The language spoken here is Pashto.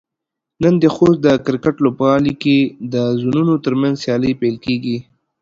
نن د خوست د کرکټ لوبغالي کې د زونونو ترمنځ سيالۍ پيل کيږي.